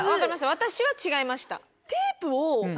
私は違いました。